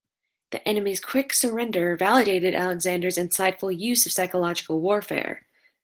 The enemy's quick surrender validated Alexander's insightful use of psychological warfare.